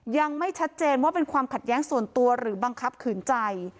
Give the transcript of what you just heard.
ยังไม่ชัดเจนว่าเป็นความขัดแย้งส่วนตัวหรือบังคับขืนใจ